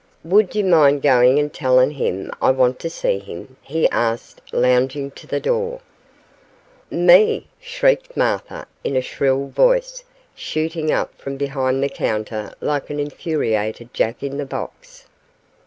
'Would you mind going and telling him I want to see him?' he asked, lounging to the door. 'Me!' shrieked Martha, in a shrill voice, shooting up from behind the counter like an infuriated jack in the box.